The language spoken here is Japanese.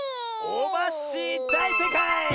オバッシーだいせいかい！